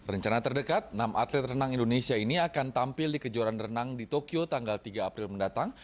rencana terdekat enam atlet renang indonesia ini akan tampil di kejuaraan renang di tokyo tanggal tiga april mendatang